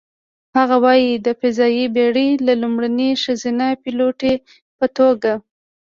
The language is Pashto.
هغه وايي: "د فضايي بېړۍ د لومړنۍ ښځینه پیلوټې په توګه،